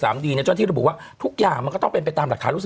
สามดีเนี่ยจนที่เราบอกว่าทุกอย่างมันก็ต้องเป็นไปตามหลักค้ารุศิ